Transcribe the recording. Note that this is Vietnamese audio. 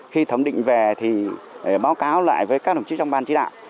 khi thẩm định về thì báo cáo lại với các đồng chí trong ban chí đạo